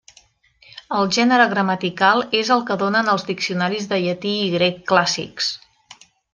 El gènere gramatical és el que donen els diccionaris de llatí i grec clàssics.